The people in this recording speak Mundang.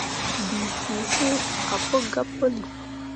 Bii fuu iŋ ah pu gabe puli.